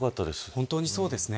本当にそうですね。